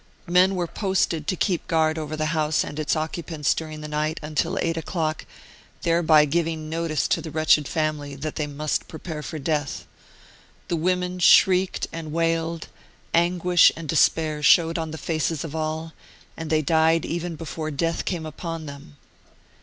Men were posted to keep guard over the house and its occupants during the night until 8' o'clock, thereby giving notice to the wretched family that they must prepare for death. The women shrieked and wailed, anguish and despair showed on the faces of all, and they died even before death came upon them.